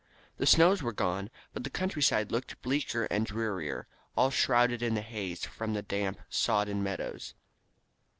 The snows were gone, but the countryside looked bleaker and drearier, all shrouded in the haze from the damp, sodden meadows.